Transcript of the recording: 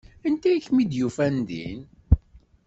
Anta i kem-id-yufan din?